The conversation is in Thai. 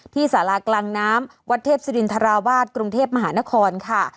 สารากลางน้ำวัดเทพศิรินทราวาสกรุงเทพมหานครค่ะ